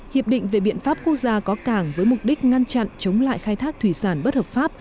hiệp định về biện pháp quốc gia có cảng với mục đích ngăn chặn chống lại khai thác thủy sản bất hợp pháp